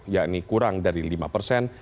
yakni kurang dari lima persen